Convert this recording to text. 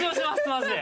マジで。